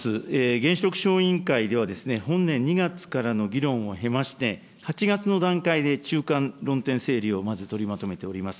原子力小委員会では、本年２月からの議論を経まして、８月の段階で中間論点整理をまず取りまとめております。